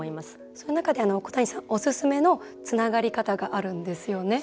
その中で小谷さんおすすめのつながり方があるんですよね。